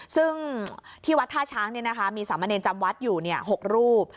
ซึ่งที่วัดท่าช้างนี่นะคะมีสามเมรินจำวัดอยู่๖รูป